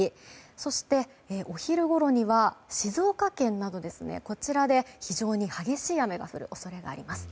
そして、お昼ごろには静岡県などで非常に激しい雨が降る恐れがあります。